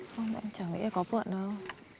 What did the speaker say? không em chẳng nghĩ là có vượn đâu